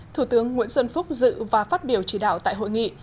thủ tướng nguyễn xuân phúc dự và phát biểu chỉ đạo tại hội nghị